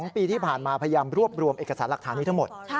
๒ปีที่ผ่านมาพยายามรวบรวมเอกสารหลักฐานนี้ทั้งหมด